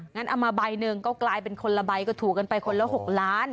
เอามาใบหนึ่งก็กลายเป็นคนละใบก็ถูกกันไปคนละ๖ล้าน